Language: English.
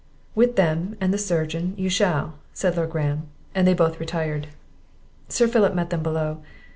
"With them, and the surgeon, you shall," said Lord Graham; and they both retired. Sir Philip met them below.